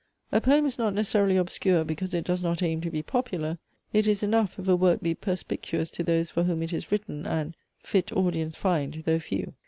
A poem is not necessarily obscure, because it does not aim to be popular. It is enough, if a work be perspicuous to those for whom it is written, and "Fit audience find, though few."